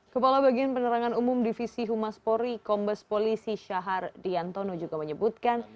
kepala bagian penerangan umum divisi humas polri kombes polisi syahar diantono juga menyebutkan